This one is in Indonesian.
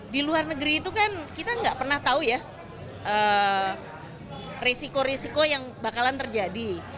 di luar negeri itu kan kita nggak pernah tahu ya risiko risiko yang bakalan terjadi